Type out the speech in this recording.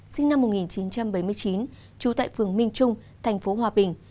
sinh năm một nghìn chín trăm bảy mươi chín trú tại phường minh trung tp hòa bình